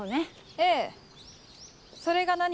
ええそれが何か？